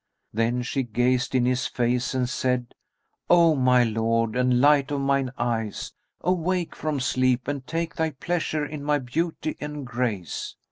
Then she gazed in his face and said, "O my lord and light of mine eyes, awake from sleep and take thy pleasure in my beauty and grace."